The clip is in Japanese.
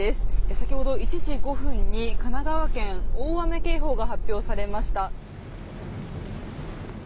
先ほど１時５分に神奈川県大雨警報が発表されました。